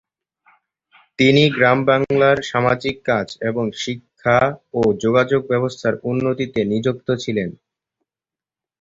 তিনি গ্রামবাংলায় সামাজিক কাজ এবং শিক্ষা ও যোগাযোগ ব্যবস্থার উন্নতিতে নিযুক্ত ছিলেন।